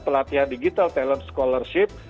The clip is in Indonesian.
pelatihan digital talent scholarship